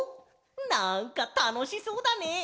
なんかたのしそうだね！